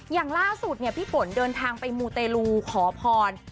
อย่างล่าสุดเนี่ยพี่ฝนเดินทางไปมูเตลูขอพร